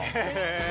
え。